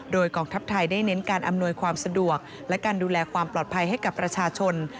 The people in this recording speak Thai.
โดยกองทัพไทยได้เน้นการอำนวยความสะดวกและการดูแลความปลอดภัยให้กับประชาชน